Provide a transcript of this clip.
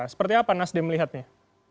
seperti apa nasdem melihatnya